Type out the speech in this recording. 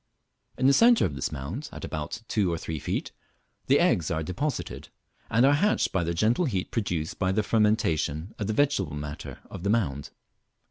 In the centre of this mound, at a depth of two or three feet, the eggs are deposited, and are hatched by the gentle heat produced by the fermentation of the vegetable matter of the mound.